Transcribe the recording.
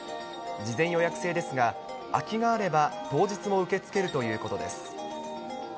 事前予約制ですが、空きがあれば当日も受け付けるということです。